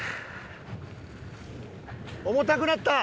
重たくなった！